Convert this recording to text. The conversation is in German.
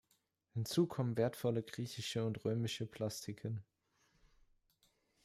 Hinzu kommen wertvolle griechische und römische Plastiken.